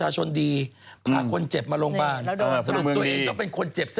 แต่จริงแล้วมันไม่ใช่